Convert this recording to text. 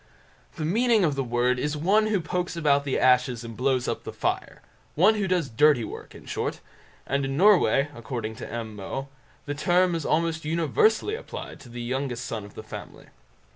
The meaning of the word is "one who pokes about the ashes and blows up the fire"; one who does dirty work in short; and in Norway, according to M. Moe, the term is almost universally applied to the youngest son of the family.